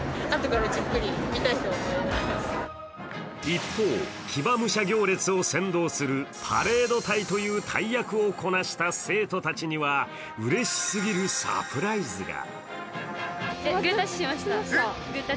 一方、騎馬武者行列を先導するパレード隊という大役をこなした生徒たちにはうれしすぎるサプライズが。